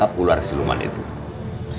bukan cuma dongeng